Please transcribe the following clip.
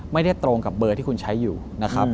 ไม่ได้ตรงกับเบอร์ที่คุณใช้อยู่นะครับ